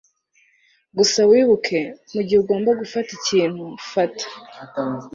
gusa wibuke, mugihe ugomba gufata ikintu, fata